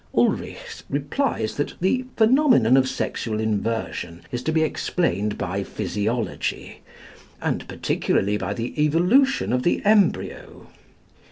Ulrichs replies that the phenomenon of sexual inversion is to be explained by physiology, and particularly by the evolution of the embryo.